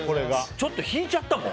ちょっと引いちゃったもん。